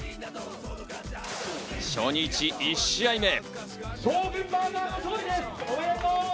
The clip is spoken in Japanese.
初日、１試合目。